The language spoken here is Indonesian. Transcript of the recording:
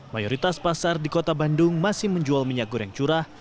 mayoritas pasar di kota bandung masih menjual minyak goreng curah